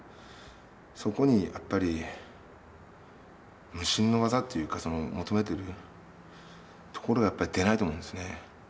そこにやっぱり無心の技というか求めてるところはやっぱり出ないと思うんですね。